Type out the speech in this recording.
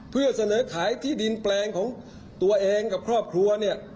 เพื่อเสนอขายที่ดินแปลงของตัวเองกับครอบครัวเนี่ย